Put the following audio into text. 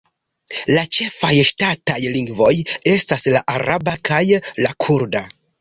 La ĉefaj ŝtataj lingvoj estas la araba kaj la kurda.